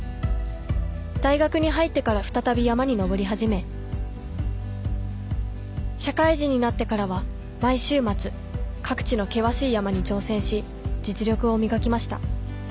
大学に入ってから再び山に登り始め社会人になってからは毎週末各地の険しい山に挑戦し実力を磨きました。